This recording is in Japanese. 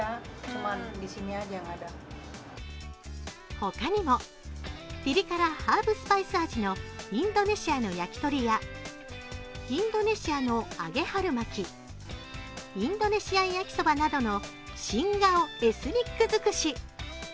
他にも、ピリ辛ハーブスパイス味のインドネシア味の焼き鳥やインドネシアの揚げ春巻きインドネシアン焼きそばなどの新顔エスニックづくし。